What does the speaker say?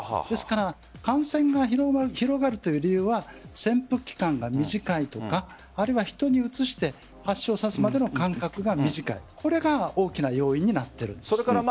ですから感染が広がるという理由は潜伏期間が短いとか人にうつして発症させるまでの間隔が短いこれが大きな要因になっています。